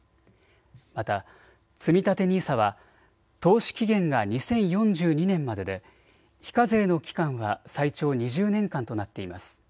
また、つみたてＮＩＳＡは投資期限が２０４２年までで非課税の期間は最長２０年間となっています。